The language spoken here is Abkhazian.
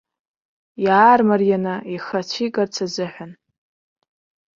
Иаармарианы ихы ацәигарц азыҳәан.